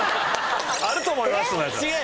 「あると思います」